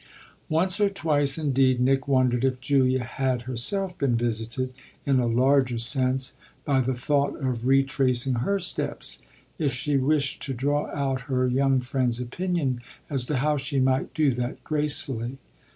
Once or twice indeed Nick wondered if Julia had herself been visited, in a larger sense, by the thought of retracing her steps if she wished to draw out her young friend's opinion as to how she might do that gracefully.